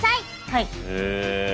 はい。